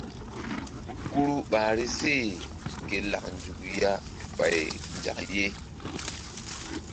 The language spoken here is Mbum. Kuru ɓahri a ye ke lak nzuk ya ɓay nzak ye.